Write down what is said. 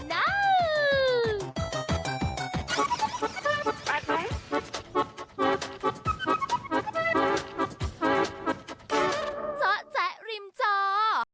เจ้าแจ๊ะริมจอร์